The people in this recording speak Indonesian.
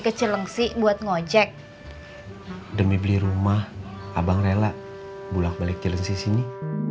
ke celang sih buat ngecek demi beli rumah abang rela bulat balik ke sini